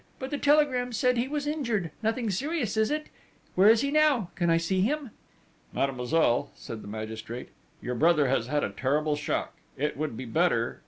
"But the telegram said he was injured nothing serious, is it?... Where is he now? Can I see him?" "Mademoiselle," said the magistrate, "your brother has had a terrible shock!... It would be better!...